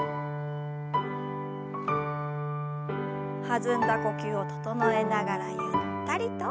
弾んだ呼吸を整えながらゆったりと。